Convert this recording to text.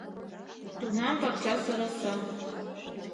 Тунам пакча сӧраса.